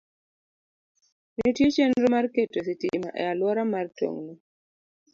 Nitie chenro mar keto sitima e alwora mar tong'no.